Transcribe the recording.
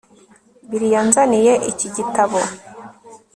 Bill yanzaniye iki gitabo